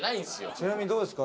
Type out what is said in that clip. ちなみにどうですか？